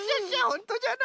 ほんとじゃな。